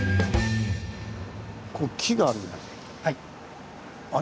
こう木があるじゃないですか。